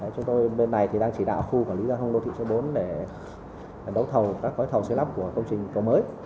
chúng tôi bên này đang chỉ đạo khu quản lý giao thông đô thị số bốn để đấu thầu các gói thầu xây lắp của công trình cầu mới